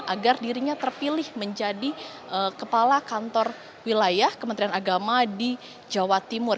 agar dirinya terpilih menjadi kepala kantor wilayah kementerian agama di jawa timur